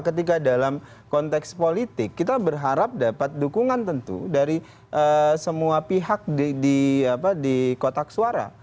ketika dalam konteks politik kita berharap dapat dukungan tentu dari semua pihak di kotak suara